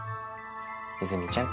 和泉ちゃん。